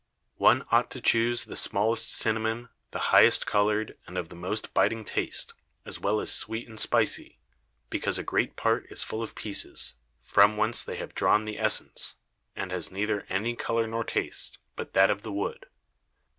One ought to chuse the smallest Cinnamon, the highest coloured, and of the most biting Taste, as well as sweet and spicy, because a great Part is full of Pieces, from whence they have drawn the Essence, and has neither any Colour nor Taste, but that of the Wood.